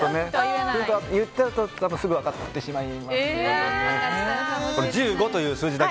言っちゃうとすぐ分かってしまいますので。